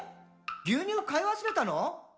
牛乳買い忘れたの？」